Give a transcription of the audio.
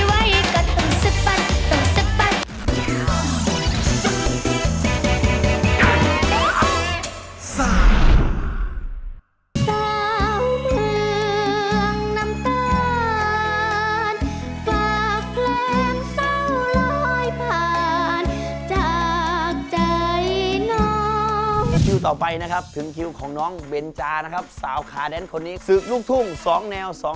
ถ้ามันอืดอาจที่หัวใจไม่ไหวก็ต้องซึกปันต้องซึกปัน